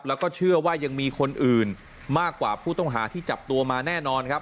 แล้วก็เชื่อว่ายังมีคนอื่นมากกว่าผู้ต้องหาที่จับตัวมาแน่นอนครับ